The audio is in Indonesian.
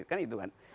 kan itu kan